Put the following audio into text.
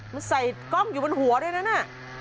มันใส่กล้องอยู่บนหัวด้วยนะ